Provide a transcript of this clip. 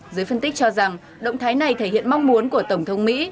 giới phân tích cho rằng động thái này thể hiện mong muốn của tổng thống mỹ